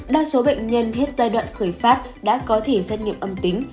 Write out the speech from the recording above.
đa số bệnh nhân hết giai đoạn khởi phát đã có thể xét nghiệm âm tính